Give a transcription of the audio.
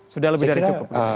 sudah lebih dari cukup